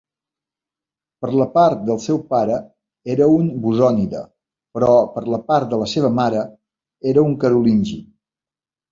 Per la part del seu pare era un Bosònida però per la part de la seva mare era un Carolingi.